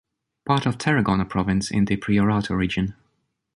Part of Tarragona province, in the Priorato region.